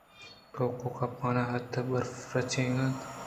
توک ءِ کمپان ءَ اَتءُبرف رِچگ ءَ اَت